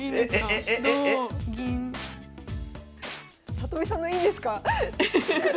里見さんの「いいんですか？」。